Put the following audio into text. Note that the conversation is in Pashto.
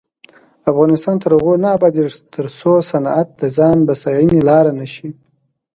افغانستان تر هغو نه ابادیږي، ترڅو صنعت د ځان بسیاینې لاره نشي.